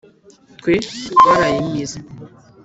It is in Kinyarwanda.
Twe twarayimize